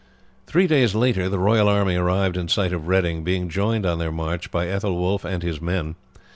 Three days later the royal army arrived in sight of Reading, being joined on their march by Aethelwulf and his men.